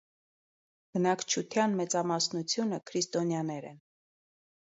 Բնակչութեան մեծամասնութիւնը քրիստոնեաներ են։